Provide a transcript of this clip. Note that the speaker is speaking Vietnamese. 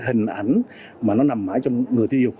hình ảnh mà nó nằm mãi cho người tiêu dùng